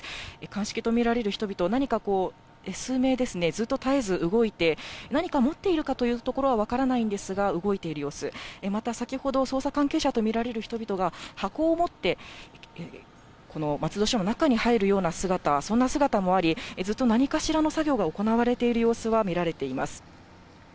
鑑識と見られる人々、何かこう、数名、ずっと絶えず動いて、何か持っているかというところは分からないんですが、動いている様子、また先ほど捜査関係者と見られる人々が、箱を持って、この松戸署の中に入るような姿、そんな姿もあり、ずっと何かしらの作業が行われている様子は見られています。